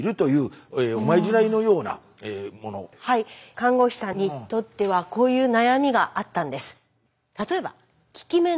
看護師さんにとってはこういう悩みがあったんです。